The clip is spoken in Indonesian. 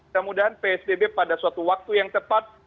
semoga psbb pada suatu waktu yang tepat